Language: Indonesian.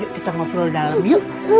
kita ngobrol dalam yuk